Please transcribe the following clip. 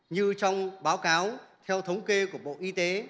như trong báo cáo theo thống kê của bộ y tế